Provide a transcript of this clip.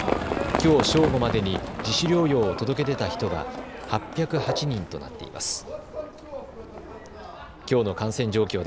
きょう正午までに自主療養を届け出た人は８０８人となっています。